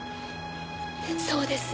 そうです。